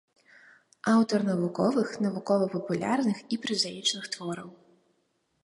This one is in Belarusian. Аўтар навуковых, навукова-папулярных і празаічных твораў.